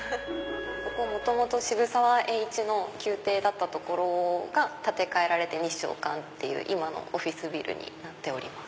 ここ元々渋沢栄一の邸だった所が建て替えられて日証館っていう今のオフィスビルになってます。